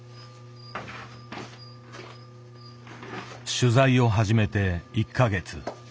取材を始めて１か月。